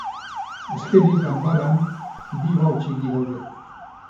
Azkenik, ganbaran, bi bao txiki daude.